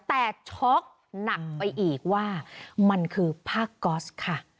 แต่ช็อกหนักไปอีกว่ามันคือผ้าก๊อสค่ะ